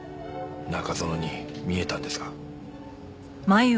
中園に見えたんですが。